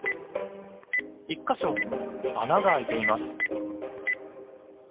１か所穴があいています。